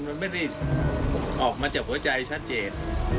มันไม่ได้ออกมาจากหัวใจชัดเจน